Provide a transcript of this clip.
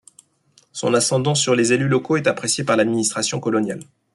Son ascendant sur les élus locaux est apprécié par l'administration coloniale.